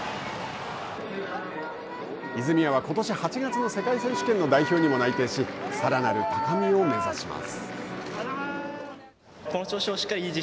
泉谷はことし８月の世界選手権の代表にも内定しさらなる高みを目指します。